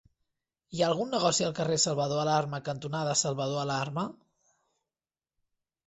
Hi ha algun negoci al carrer Salvador Alarma cantonada Salvador Alarma?